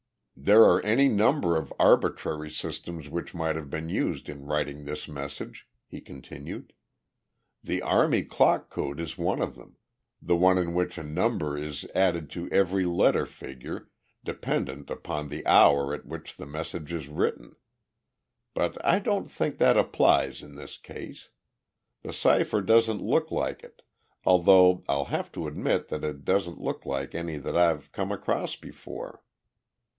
"There are any number of arbitrary systems which might have been used in writing this message," he continued. "The army clock code is one of them the one in which a number is added to every letter figure, dependent upon the hour at which the message is written. But I don't think that applies in this case. The cipher doesn't look like it though I'll have to admit that it doesn't look like any that I've come across before.